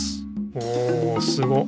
おおすご。